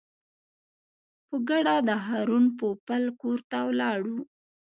په ګډه د هارون پوپل کور ته ولاړو.